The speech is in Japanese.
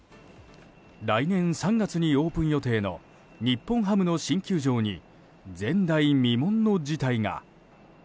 来年３月にオープン予定の日本ハム新球場に前代未聞の事態が。